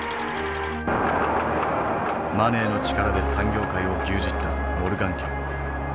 マネーの力で産業界を牛耳ったモルガン家。